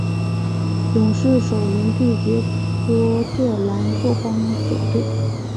勇士首轮对决波特兰拓荒者队。